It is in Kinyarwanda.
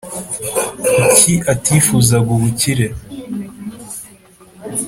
Kuki atifuzaga ubukire?